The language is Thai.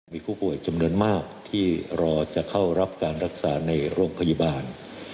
มีผู้ป่วยจำนวนมากที่รอจะเข้ารับการรักษาในโรงพยาบาล